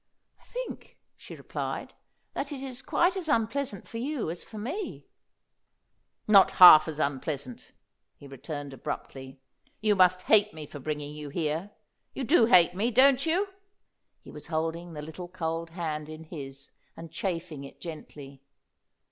"I think," she replied, "that it is quite as unpleasant for you as for me." "Not half as unpleasant," he returned abruptly. "You must hate me for bringing you here. You do hate me, don't you?" He was holding the little cold hand in his and chafing it gently.